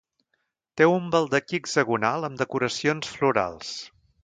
Té un baldaquí hexagonal amb decoracions florals.